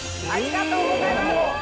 ありがとうございます！